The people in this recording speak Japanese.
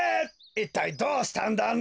いったいどうしたんだね？